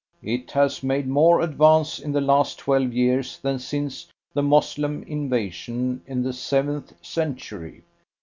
It has made more advance in the last twelve years than since the Moslem invasion in the seventh century.